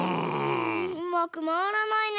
うまくまわらないね。